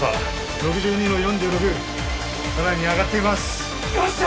６２の４６さらに上がっていますよっしゃ！